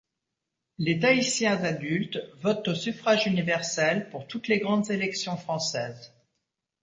Les Tahitiens adultes votent au suffrage universel pour toutes les grandes élections françaises.